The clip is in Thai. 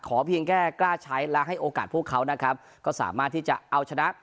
เพียงแค่กล้าใช้และให้โอกาสพวกเขานะครับก็สามารถที่จะเอาชนะ